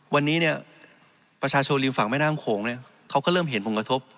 วันนี้เนี่ยประชาชนริมฝั่งแม่น้ำโขงเนี่ยเขาก็เริ่มเห็นผลกระทบ